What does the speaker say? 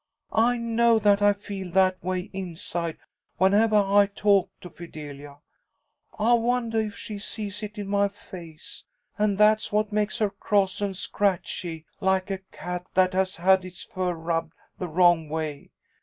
I know that I feel that way inside whenevah I talk to Fidelia. I wondah if she sees it in my face, and that's what makes her cross and scratchy, like a cat that has had its fur rubbed the wrong way.